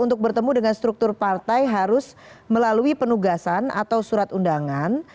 untuk bertemu dengan struktur partai harus melalui penugasan atau surat undangan